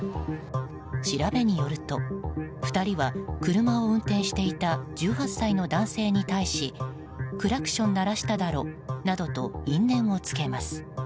調べによると、２人は車を運転していた１８歳の男性に対しクラクション鳴らしただろなどと因縁をつけます。